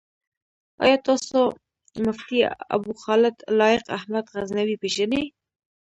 آيا تاسو مفتي ابوخالد لائق احمد غزنوي پيژنئ؟